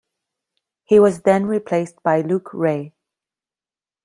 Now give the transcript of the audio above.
He was then replaced by Luke Ray.